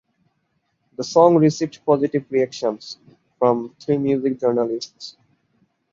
The song received positive reactions from three music journalists.